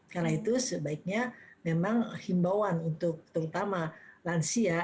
karena itu sebaiknya memang himbauan untuk terutama lansia